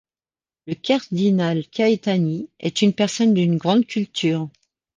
Le cardinal Caetani est une personne d'une grande culture.